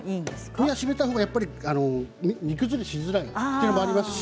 身は締めたほうが煮崩れしにくいということもあります。